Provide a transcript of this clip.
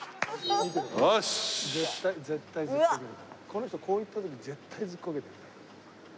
この人こういった時に絶対ずっこける。